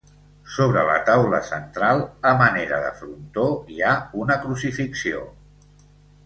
Sobre la taula central, a manera de frontó, hi ha una crucifixió.